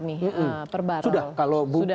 nih per barul sudah